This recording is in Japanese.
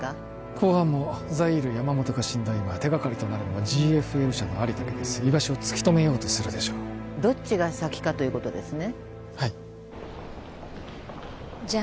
公安もザイール山本が死んだ今手掛かりとなるのはＧＦＬ社のアリだけです居場所を突き止めようとするでしょうどっちが先かということですね